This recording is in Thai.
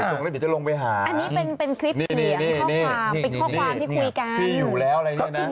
อันนี้เป็นข้อความที่คุยกัน